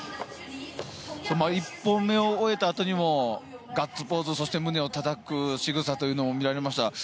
１本目を終えた後にもガッツポーズそして胸をたたくしぐさというのも見られました。